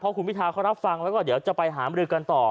คุณพิทาเขารับฟังแล้วก็เดี๋ยวจะไปหามรือกันต่อ